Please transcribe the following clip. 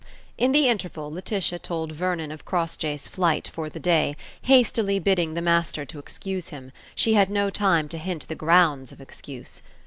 In the interval Laetitia told Vernon of Crossjay's flight for the day, hastily bidding the master to excuse him: she had no time to hint the grounds of excuse.